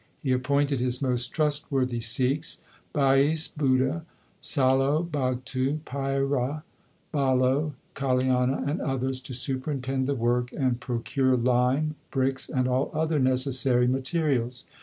He appointed his most trustworthy Sikhs Bhais Budha, Salo, Bhagtu, Paira, Bahlo, Kaliana, and others to superintend the work and 1 Suhi. B 2 4 THE SIKH RELIGION procure lime, bricks, and all other necessary materials.